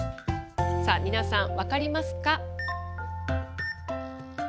さあ、皆さん、分かりますか。